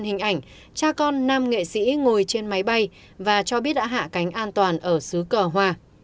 hình ảnh cha con nam nghệ sĩ ngồi trên máy bay và cho biết đã hạ cánh an toàn ở xứ cờ hoa